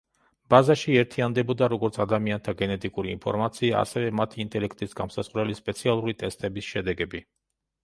ბაზაში ერთიანდებოდა როგორც ადამიანთა გენეტიკური ინფორმაცია, ასევე მათი ინტელექტის განმსაზღვრელი სპეციალური ტესტების შედეგები.